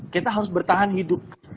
kita harus bertahan hidup